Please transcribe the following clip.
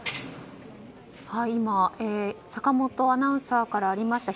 今、坂元アナウンサーからありました。